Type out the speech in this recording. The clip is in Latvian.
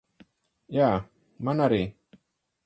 Jā, man arī.